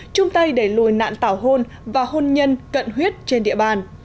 chung tay đẩy lùi nạn tảo hôn và hôn nhân cận huyết trên địa bàn